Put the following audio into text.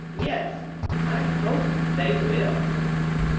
Yes, I hope they will.